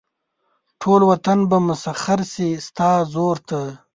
ټول وطن به مسخر شي ستاسې زور ته.